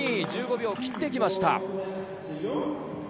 １５秒を切ってきました。